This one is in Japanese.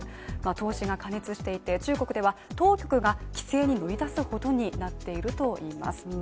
投資が過熱していて中国では当局が規制に乗り出すほどになっているといいます